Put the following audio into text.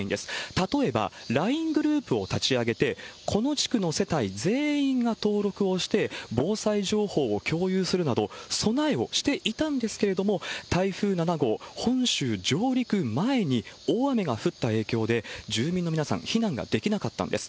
例えば、ＬＩＮＥグループを立ち上げて、この地区の世帯全員が登録をして、防災情報を共有するなど、備えをしていたんですけれども、台風７号本州上陸前に大雨が降った影響で、住民の皆さん、避難ができなかったんです。